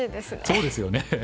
そうですよね。